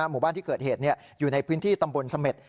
หมู่บ้านที่เกิดเหตุอยู่ในพื้นที่ตำบลเสม็ด